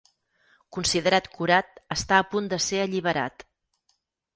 Considerat curat, està a punt de ser alliberat.